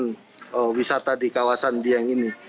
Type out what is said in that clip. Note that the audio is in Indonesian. dan juga pembukaan wisata di kawasan dieng ini